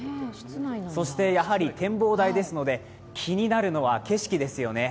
そして、展望台ですので気になるのは景色ですよね。